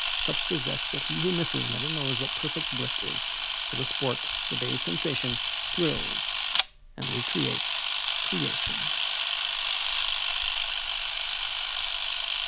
Such the zest that he who misses Never knows what perfect bliss is. So the sport, the day's sensation, Thrills and recreates creation.